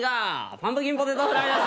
パンプキンポテトフライです。